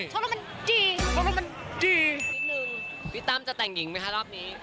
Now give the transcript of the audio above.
เพราะว่ามันดีนิดนึงวิตามจะแต่งหญิงไหมคะรอบนี้